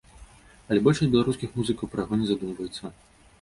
Але большасць беларускіх музыкаў пра яго не задумваецца.